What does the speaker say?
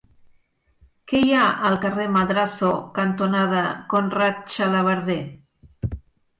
Què hi ha al carrer Madrazo cantonada Conrad Xalabarder?